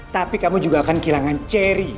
tapi kamu juga akan kehilangan cherry